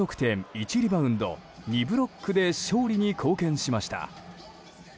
１リバウンド２ブロックで勝利に貢献しました。